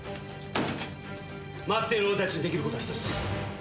待っている俺たちにできることは一つ。